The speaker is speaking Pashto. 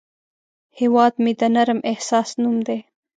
هیواد مې د نرم احساس نوم دی